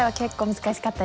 難しかった？